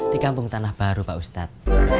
di kampung tanah baru pak ustadz